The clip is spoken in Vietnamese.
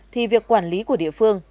thì việc quản lý của địa phương